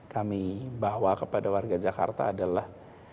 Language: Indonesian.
kami bawa kepada warga jakarta adalah